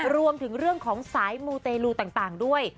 รวมถึงเรื่องของสายมูเตลูต่างด้วย